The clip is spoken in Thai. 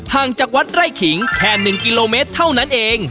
งจากวัดไร่ขิงแค่๑กิโลเมตรเท่านั้นเอง